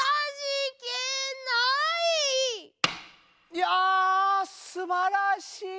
いやすばらしい！